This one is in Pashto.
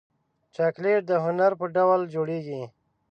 چاکلېټ د هنر په ډول جوړېږي.